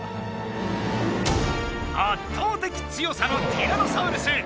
圧倒的強さのティラノサウルス。